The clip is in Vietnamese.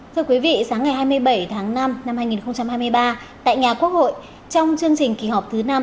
thưa quý vị sáng ngày hai mươi bảy tháng năm năm hai nghìn hai mươi ba tại nhà quốc hội trong chương trình kỳ họp thứ năm